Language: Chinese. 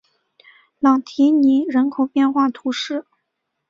朗提尼人口变化图示